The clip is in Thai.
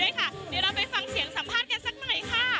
เดี๋ยวเราไปฟังเสียงสัมภาษณ์กันสักหน่อยค่ะ